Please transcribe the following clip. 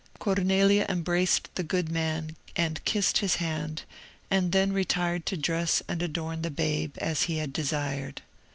Cornelia embraced the good man, and kissed his hand, and then retired to dress and adorn the babe, as he had desired.